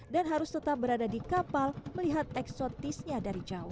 harus tetap berada di kapal melihat eksotisnya dari jauh